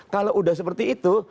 kalau sudah seperti itu